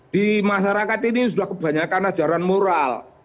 di masyarakat ini sudah kebanyakan ajaran moral